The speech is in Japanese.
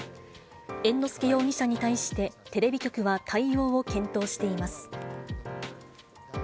猿之助容疑者に対して、テレビ局は対応を検討しています。